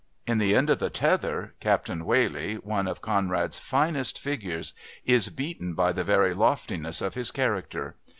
In The End of the Tether Captain Whalley, one of Conrad's finest figures, is beaten by the very loftiness of his character.